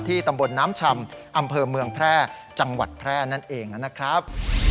ตำบลน้ำชำอำเภอเมืองแพร่จังหวัดแพร่นั่นเองนะครับ